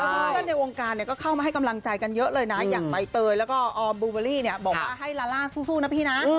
เพื่อนในวงการเนี่ยก็เข้ามาให้กำลังใจกันเยอะเลยนะอย่างใบเตยแล้วก็ออมบูเบอรี่เนี่ยบอกว่าให้ลาล่าสู้นะพี่นะ